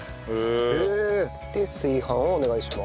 で炊飯をお願いします。